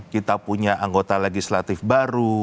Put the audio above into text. kita punya anggota legislatif baru